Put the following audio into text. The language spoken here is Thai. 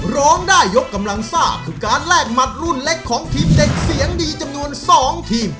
ร้องได้ยกกำลังซ่าคือการแลกหมัดรุ่นเล็กของทีมเด็กเสียงดีจำนวน๒ทีม